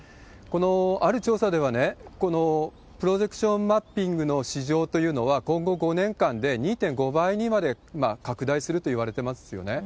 ある調査では、このプロジェクションマッピングの市場というのは、今後、５年間で２．５倍にまで拡大するといわれてますよね。